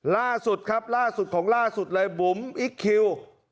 ล่าสุดครับล่าสุดของล่าสุดเลยบุ๋มอิ๊กคิว